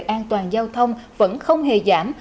an toàn giao thông vẫn không hề giảm